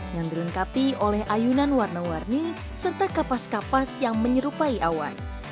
yang dilengkapi oleh ayunan warna warni serta kapas kapas yang menyerupai awan